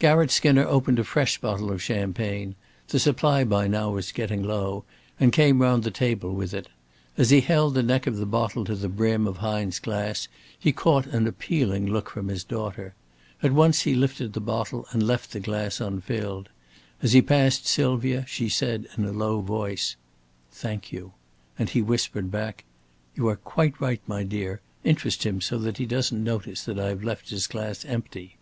Garratt Skinner opened a fresh bottle of champagne the supply by now was getting low and came round the table with it. As he held the neck of the bottle to the brim of Hine's glass he caught an appealing look from his daughter. At once he lifted the bottle and left the glass unfilled. As he passed Sylvia, she said in a low voice: "Thank you," and he whispered back: "You are quite right, my dear. Interest him so that he doesn't notice that I have left his glass empty."